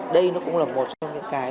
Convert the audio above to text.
đây nó cũng là một trong những cái